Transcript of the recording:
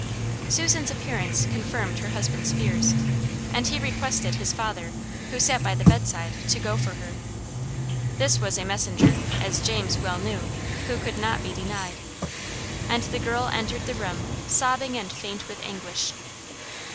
Susan's appearance confirmed her husband's fears, and he requested his father, who sat by the bedside, to go for her. This was a messenger, as James well knew, who could not be denied; and the girl entered the room, sobbing and faint with anguish.